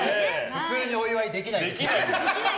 普通にお祝いできないです。